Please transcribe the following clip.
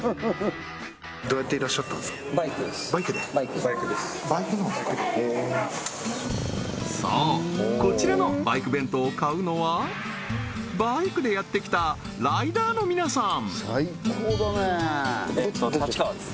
このそうこちらのバイク弁当を買うのはバイクでやってきたライダーの皆さん